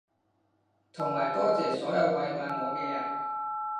同埋多謝所有慰問我嘅人